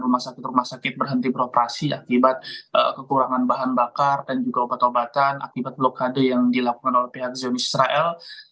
rumah sakit rumah sakit berhenti beroperasi akibat kekurangan bahan bakar dan juga obat obatan akibat blokade yang dilakukan oleh pihak zemi israel